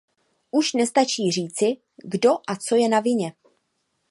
Už nestačí říci, kdo a co je na vině.